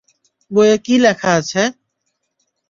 বইয়ে কী লেখা আছে?